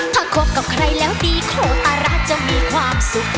ถ้าคบกับใครแล้วดีโคตาราชจะมีความสุข